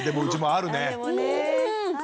あるね。